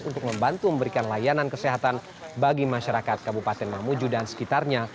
untuk membantu memberikan layanan kesehatan bagi masyarakat kabupaten mamuju dan sekitarnya